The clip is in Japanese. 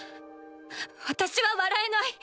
私は笑えない。